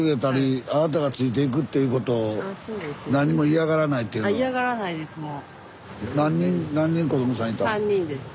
嫌がらないですもう。